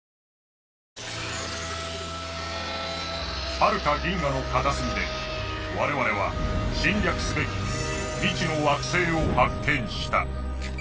はるか銀河の片隅で我々は侵略すべき未知の惑星を発見した！